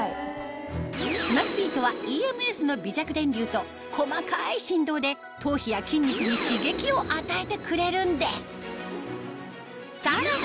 スマスビートはＥＭＳの微弱電流と細かい振動で頭皮や筋肉に刺激を与えてくれるんですさらに